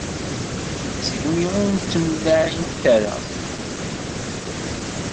Ddeqs aya segmi ur ttemlaɛint ara.